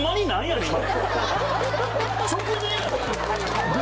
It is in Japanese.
直前やで？